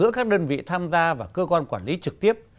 giữa các đơn vị tham gia và cơ quan quản lý trực tiếp